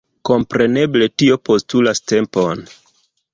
Kompreneble tio postulas tempon.